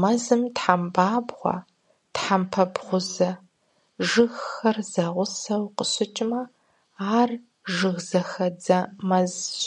Мэзым тхьэмпабгъуэ, тхьэмпэ бгъузэ жыгхэр зэгъусэу къыщыкӀмэ, ар жыгзэхэдзэ мэзщ.